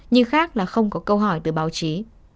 nhưng khác là không có câu hỏi từ báo chí